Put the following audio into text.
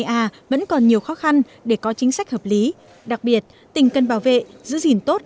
a vẫn còn nhiều khó khăn để có chính sách hợp lý đặc biệt tỉnh cần bảo vệ giữ gìn tốt